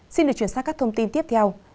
xin được chuyển sang các thông tin tiếp theo